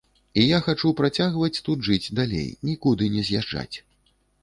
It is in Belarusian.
І я хачу працягваць тут жыць далей, нікуды не з'язджаць.